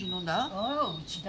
ああうちだ。